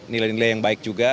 nilai nilai yang baik juga